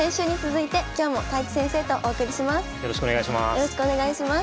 よろしくお願いします。